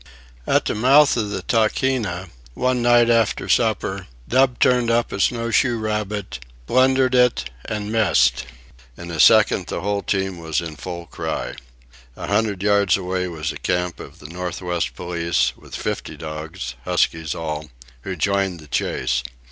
At the mouth of the Tahkeena, one night after supper, Dub turned up a snowshoe rabbit, blundered it, and missed. In a second the whole team was in full cry. A hundred yards away was a camp of the Northwest Police, with fifty dogs, huskies all, who joined the chase.